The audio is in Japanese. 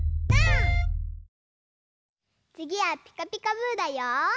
つぎは「ピカピカブ！」だよ。